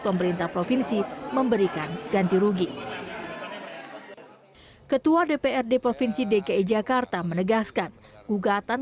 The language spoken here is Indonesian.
pemerintah provinsi memberikan ganti rugi ketua dprd provinsi dki jakarta menegaskan gugatan